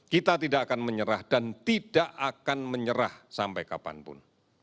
kita tidak akan menyerah dan tidak akan menyerah sampai kapanpun